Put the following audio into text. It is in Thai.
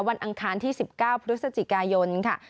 อังคารที่๑๙พฤศจิกายนค่ะ